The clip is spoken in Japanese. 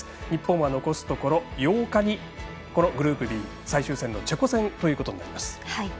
日本は残すところ８日にグループＢ最終戦のチェコ戦ということになります。